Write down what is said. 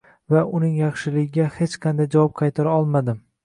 Men uning yaxshiligiga hech qanday javob qaytara olmadim